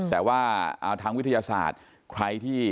แต่ว่าทางวิทยาศาสตร์